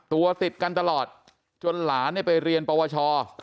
ตัวติดกันตลอดจนหลานไปเรียนปวช